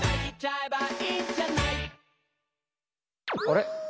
あれ？